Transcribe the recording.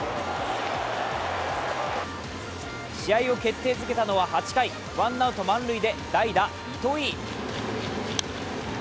試合を決定づけたのは８回ワンアウト満塁で代打・糸井。